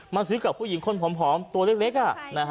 ซื้อกับผู้หญิงคนผอมตัวเล็ก